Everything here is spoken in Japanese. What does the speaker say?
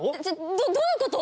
どどういうこと？